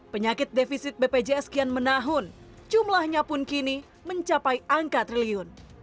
penyakit defisit bpjs kian menahun jumlahnya pun kini mencapai angka triliun